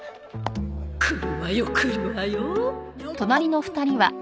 来るわよ来るわよ